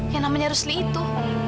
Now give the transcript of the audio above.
yang namanya rusli itu